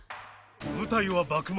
舞台は幕末。